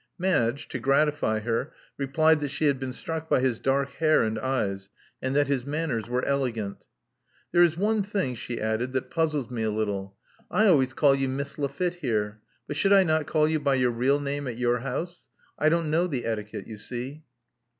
Madge, to gratify her, replied that she had been struck by his dark hair and eyes, and that his manners were elegant. *' There is one thing, she added, that puzzles we a little. I always call you Miss Lafitte here ; but should I not call you by your real name at your house? I don't know the etiquette, you see.